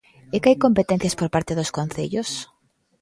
¿E que hai competencias por parte dos concellos?